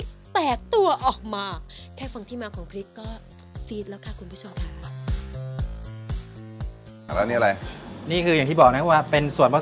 ครบทุกอย่างที่เป็นเส้นยอดนิยมอยู่แล้ว